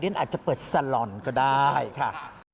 เดี๋ยวอาจจะเปิดสาลอนก็ได้ค่ะ